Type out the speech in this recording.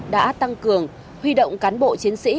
đã tăng cường huy động cán bộ chiến sĩ